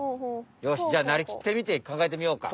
よしじゃあなりきってみてかんがえてみようか！